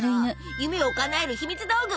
夢をかなえるひみつ道具。